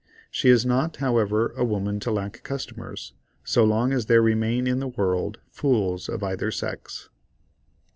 She is not, however, a woman to lack customers, so long as there remain in the world fools of either sex.